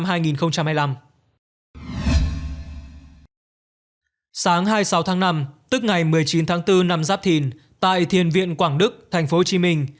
sáng hai mươi sáu tháng năm tức ngày một mươi chín tháng bốn năm giáp thìn tại thiền viện quảng đức thành phố hồ chí minh